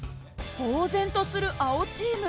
ぼう然とする青チーム。